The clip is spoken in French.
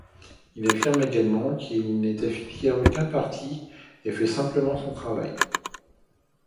Il affirme également qu'il n'est affilié à aucun parti et fait simplement son travail.